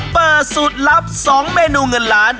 เปิดสูตรลับ๒เมนูเงินล้าน